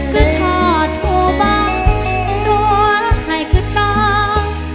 ก็ถอดหูบอกตัวให้ก็ต้อง